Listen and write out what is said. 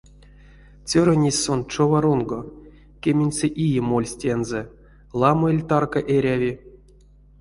Цёрынесь сон чова рунго — кеменце ие мольсь тензэ, ламо эль тарка эряви?